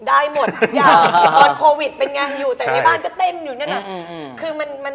ได้หมดอย่างบอสโควิดเป็นงานอยู่แต่ในบ้านก็เต้นอยู่อย่างเงี้ยหน่อย